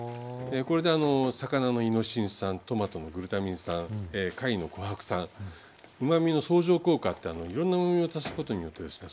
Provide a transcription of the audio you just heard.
これで魚のイノシン酸トマトのグルタミン酸貝のコハク酸うまみの相乗効果っていろんなうまみを足すことによってですね